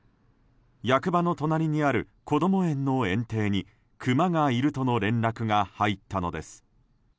役場の隣にあるこども園の園庭にクマがいるとの連絡が入ったのです。